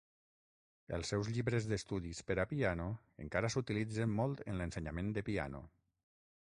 Els seus llibres d'estudis per a piano encara s'utilitzen molt en l'ensenyament de piano.